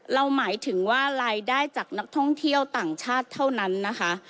หมายถึงว่ารายได้จากนักท่องเที่ยวต่างชาติเท่านั้นนะคะ